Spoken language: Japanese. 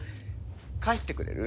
帰ってくれる？